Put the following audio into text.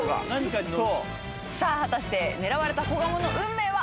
さあ果たして狙われた子ガモの運命は？